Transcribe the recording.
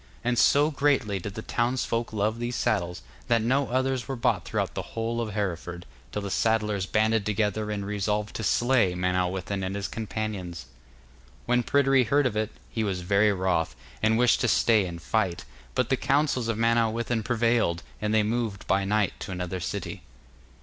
And so greatly did the townsfolk love these saddles, that no others were bought throughout the whole of Hereford, till the saddlers banded together and resolved to slay Manawyddan and his companions. When Pryderi heard of it, he was very wroth, and wished to stay and fight. But the counsels of Manawyddan prevailed, and they moved by night to another city.